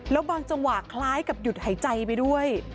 แล้วบางจังหวะคล้ายกับหยุดหายใจไปด้วย